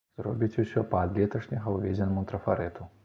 Зробіць усё па ад леташняга ўведзенаму трафарэту.